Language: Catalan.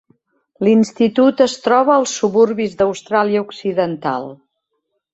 L'institut es troba als suburbis d'Austràlia Occidental.